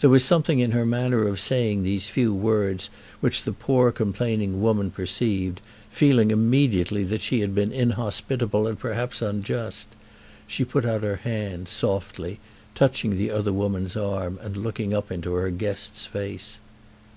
There was something in her manner of saying these few words which the poor complaining woman perceived, feeling immediately that she had been inhospitable and perhaps unjust. She put out her hand softly, touching the other woman's arm, and looking up into her guest's face.